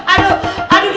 aduh aduh aduh